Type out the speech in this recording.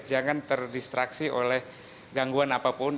jangan terdistraksi oleh gangguan apapun